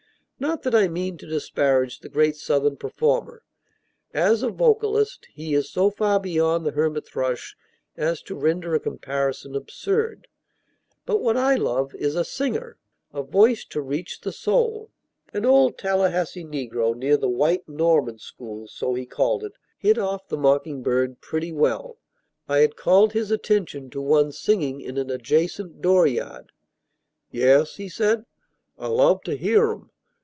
Not that I mean to disparage the great Southern performer; as a vocalist he is so far beyond the hermit thrush as to render a comparison absurd; but what I love is a singer, a voice to reach the soul. An old Tallahassee negro, near the "white Norman school," so he called it, hit off the mocking bird pretty well. I had called his attention to one singing in an adjacent dooryard. "Yes," he said, "I love to hear 'em.